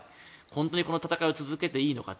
本当にこの戦いを続けていいのか